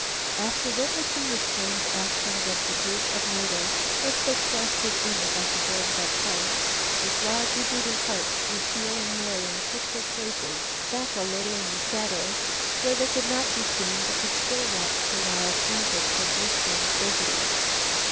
After witnessing the strange actions of the group of natives as they clustered in about the boarded up house, with wildly beating hearts Lucile and Marian took their places back a little in the shadows, where they could not be seen but could still watch the wild antics of their strange visitors.